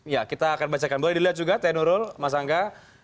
ya kita akan bacakan boleh dilihat juga teh nurul mas angga